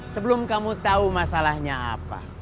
sebelum kamu tahu masalahnya apa